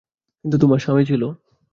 কিন্তু তোমার স্বামী ছিল।